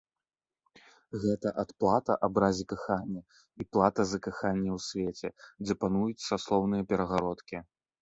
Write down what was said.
Гэта адплата абразе кахання і плата за каханне ў свеце, дзе пануюць саслоўныя перагародкі.